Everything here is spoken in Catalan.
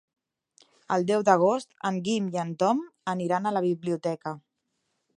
El deu d'agost en Guim i en Tom aniran a la biblioteca.